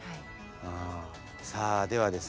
さあではですね